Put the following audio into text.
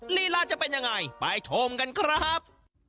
ลีลาจะเป็นยังไงไปชมกันครับ